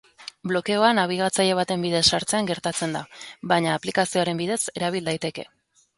Blokeoa nabigatzaile baten bidez sartzean gertatzen da, baina aplikazioaren bidez erabil daiteke.